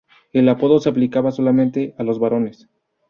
El apodo se aplicaba solamente a los varones.